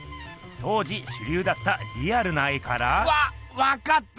当時しゅりゅうだったリアルな絵から。わわかった！